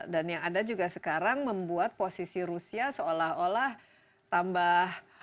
dan yang ada juga sekarang membuat posisi rusia seolah olah tambah